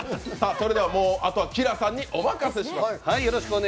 それではあとはＫｉＬａさんにお任せします。